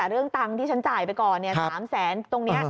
เรื่องตังค์ที่ฉันจ่ายไปก่อน๓แสนตรงนี้